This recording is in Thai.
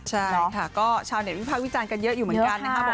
ใช่ค่ะก็ชาวเน็ตวิพากษ์วิจารณ์กันเยอะอยู่เหมือนกันนะคะ